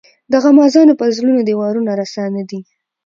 د غمازانو پر زړونو دي وارونه رسا نه دي.